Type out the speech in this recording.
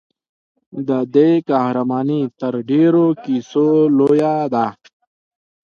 د دې قهرماني تر ډېرو کیسو لویه ده.